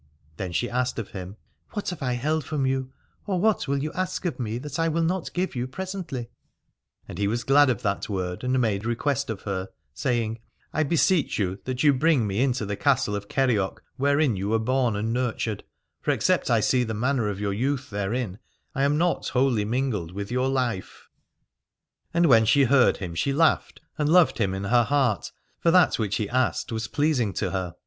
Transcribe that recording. Then she asked of him : What have I held from you, or what will you ask of me that I will not give you presently ? And he was glad of that word and made request of her, saying : I beseech you that you bring me into the Castle of Kerioc, wherein you were born and nurtured : for except I see the manner of your youth therein I am not wholly mingled with your life. 280 Aladore And when she heard him she laughed and loved him in her heart, for that which he asked was pleasing to her.